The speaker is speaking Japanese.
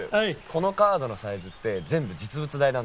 このカードのサイズって全部実物大なんですよね？